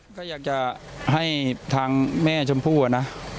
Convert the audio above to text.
ก็อยากจะให้ทางแม่ชมพู่นะ